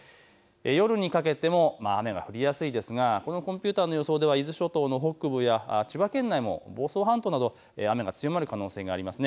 夜にかけても雨が降りやすいですがこのコンピューターの予想では伊豆諸島の北部や千葉県内も房総半島など雨が強まる可能性があります。